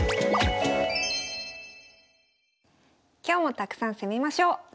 今日もたくさん攻めましょう。